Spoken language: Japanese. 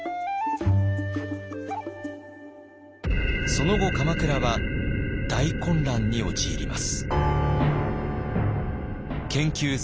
その後鎌倉は大混乱に陥ります。